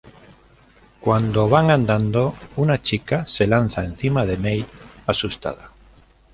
Cuando van andando, una chica se lanza encima de Nate, asustada.